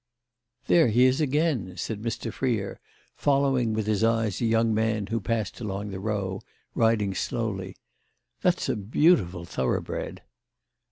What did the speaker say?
"There he is again!" said Mr. Freer, following with his eyes a young man who passed along the Row, riding slowly. "That's a beautiful thoroughbred!"